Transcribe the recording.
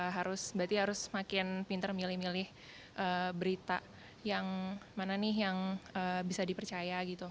berarti harus makin pinter milih milih berita yang mana nih yang bisa dipercaya gitu